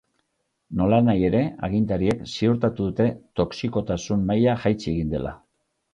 Nolanahi ere, agintariek ziurtatu dute toxikotasun maila jaitsi egin dela.